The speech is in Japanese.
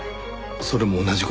それも同じ号。